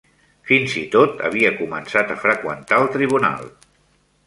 Fins i tot havia començat a freqüentar el tribunal.